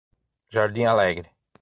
Jardim Alegre